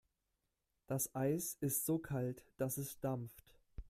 Das Eis ist so kalt, dass es dampft.